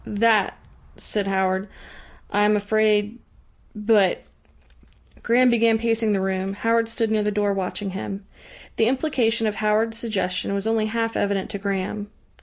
"That," said Howard, "I am afraid But " Graham began pacing the room. Howard stood near the door watching him. The implication of Howard's suggestion was only half evident to Graham.